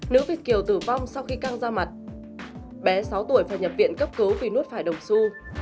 nữ việt kiều tử vong sau khi căng ra mặt bé sáu tuổi phải nhập viện cấp cứu vì nuốt phải đồng su